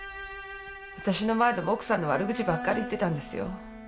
私の前でも奥さんの悪口ばっかり言ってたんですよ。